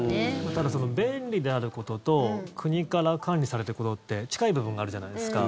ただ、便利であることと国から管理されることって近い部分があるじゃないですか。